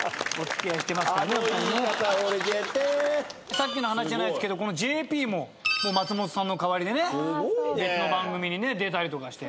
さっきの話じゃないっすけどこのＪＰも松本さんの代わりで別の番組に出たりとかして。